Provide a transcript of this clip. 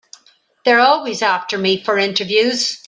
They're always after me for interviews.